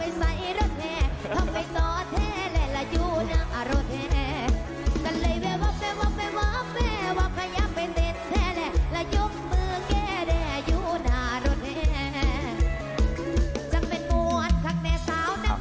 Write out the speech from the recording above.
สวัสดีครับ